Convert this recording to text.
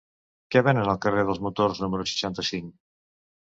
Què venen al carrer dels Motors número seixanta-cinc?